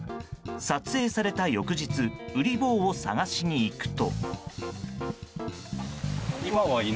撮影された翌日うり坊を捜しに行くと。